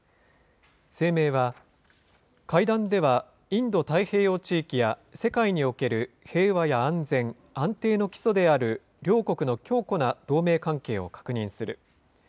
声明は、会談ではインド太平洋地域や世界における平和や安全、安定の基礎である両国の強固な同盟関係を確認する。